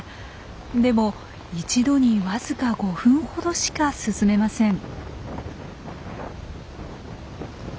でも一度にわずか５分ほどしか進めません。